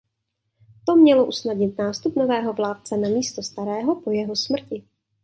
To Mělo usnadnit nástup nového vládce na místo starého po jeho smrti.